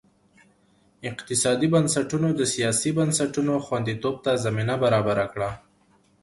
اقتصادي بنسټونو د سیاسي بنسټونو خوندیتوب ته زمینه برابره کړه.